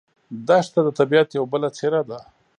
دښته د طبیعت یوه بله څېره ده.